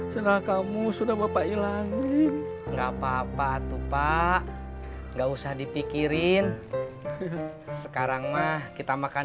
senang kamu sudah bapak ilangin enggak papa tuh pak enggak usah dipikirin sekarang mah kita makan